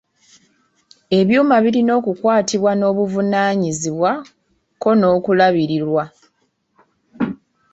Ebyuma birina okukwatibwa n'obuvunaanyizibwa kko n'okulabirirwa.